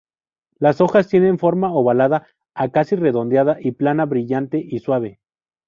Las hojas tienen forma ovalada a casi redondeada, y plana, brillante y suave.